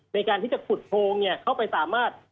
ในการที่จะขุดโพงเข้าไปสามารถ